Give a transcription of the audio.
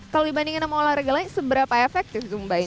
kalau dibandingin sama olahraga lain seberapa efektif zumba ini